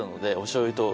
しょうゆ。